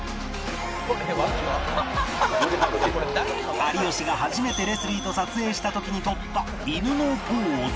有吉が初めてレスリーと撮影した時に撮った犬のポーズ